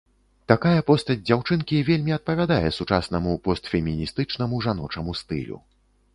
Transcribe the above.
Такая постаць дзяўчынкі вельмі адпавядае сучаснаму постфеміністычнаму жаночаму стылю.